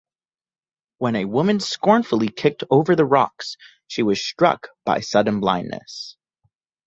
When a woman scornfully kicked over the rocks she was struck by sudden blindness.